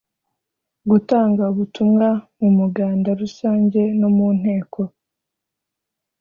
Gutanga ubutumwa mu Muganda Rusange no mu Nteko